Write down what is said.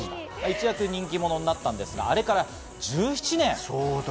一躍人気者となったんですが、あれから１７年。